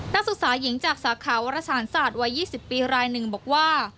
นักศึกษาหญิงจากสาขาวรสารศาสตร์วัย๒๐ปีรายหนึ่งบอกว่า